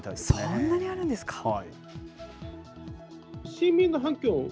そんなにあるんですか。